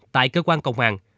tại cơ quan công an